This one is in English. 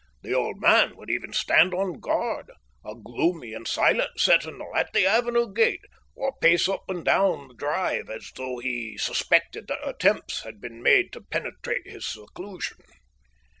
The old man would even stand on guard, a gloomy and silent sentinel, at the avenue gate, or pace up and down the drive as though he suspected that attempts had been made to penetrate his seclusion.